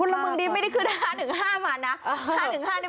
พลมึงดีไม่ได้ขึ้นสถานที่๕๑๕